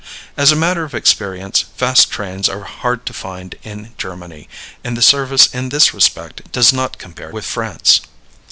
As a matter of experience, fast trains are hard to find in Germany, and the service in this respect does not compare with France.